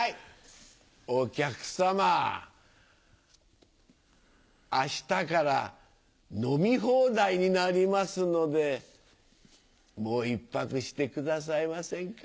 お客さまあしたから飲み放題になりますのでもう１泊してくださいませんか。